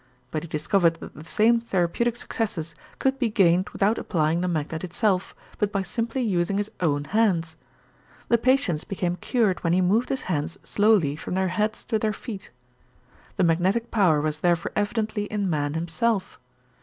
But he discovered that the same therapeutic successes could be gained without applying the magnet itself, but by simply using his own hands. The patients became cured when he moved his hands slowly from their heads to their feet. The magnetic power was therefore evidently in man himself.